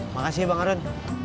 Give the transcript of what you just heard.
makasih ya bang arun